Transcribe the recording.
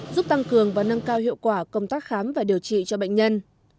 giúp tăng cường và nâng cao hiệu quả công tác khám và điều trị cho bệnh nhân